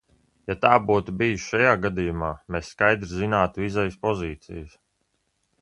Ja tā būtu bijis šajā gadījumā, mēs skaidri zinātu izejas pozīcijas.